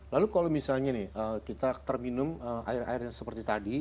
lalu kalau misalnya nih kita terminum air air seperti tadi